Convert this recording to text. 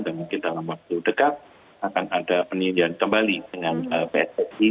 dan mungkin dalam waktu dekat akan ada penyediaan kembali dengan pssi